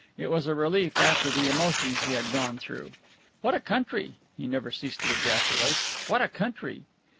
It was a relief after the emotions he had gone through. "What a country!" he never ceased to ejaculate. "What a country!"